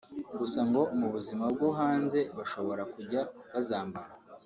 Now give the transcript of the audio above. gusa ngo mu buzima bwo hanze bashobora kujya bazambara